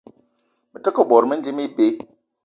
Me te ke bot mendim ibeu.